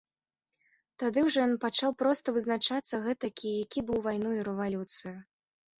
Тады ўжо ён пачаў проста вызначацца гэтакі, які быў у вайну і рэвалюцыю.